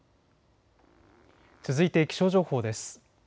続いて気象情報です。